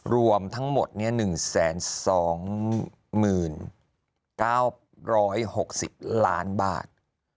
รวมทั้งหมด๑๒๙๖๐ล้านบาท